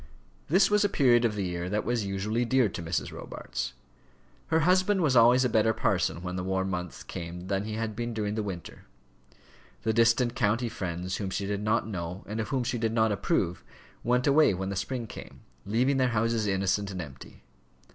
This was a period of the year that was usually dear to Mrs. Robarts. Her husband was always a better parson when the warm months came than he had been during the winter. The distant county friends whom she did not know and of whom she did not approve went away when the spring came, leaving their houses innocent and empty.